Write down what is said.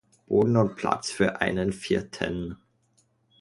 Boden und Platz für einen vierten.